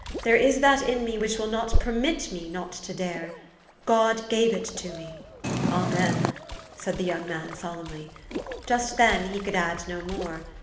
There is that in me which will not permit me not to dare. God gave it to me." "Amen!" said the } 7 oung man solemnly. Just then he could add no more.